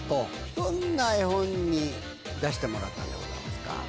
どんな絵本に出してもらったんでございますか？